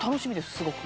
すごく。